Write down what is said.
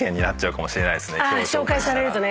紹介されるとね。